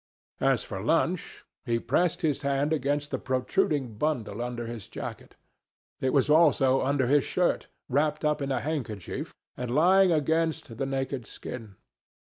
As for lunch, he pressed his hand against the protruding bundle under his jacket. It was also under his shirt, wrapped up in a handkerchief and lying against the naked skin.